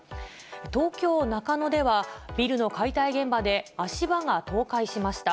東京・中野では、ビルの解体現場で足場が倒壊しました。